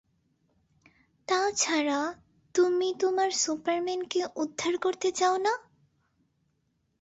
তাছাড়া, তুমি তোমার সুপারম্যানকে উদ্ধার করতে চাও না?